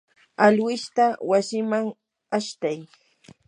alwishta wasiman ashtay.